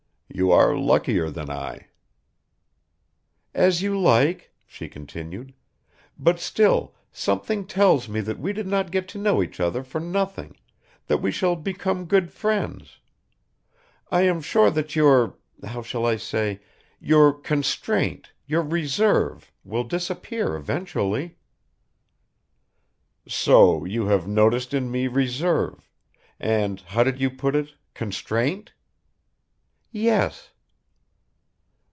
"You are luckier than I." "As you like," she continued, "but still something tells me that we did not get to know each other for nothing, that we shall become good friends. I am sure that your how shall I say your constraint, your reserve, will disappear eventually." "So you have noticed in me reserve ... and, how did you put it constraint?" "Yes."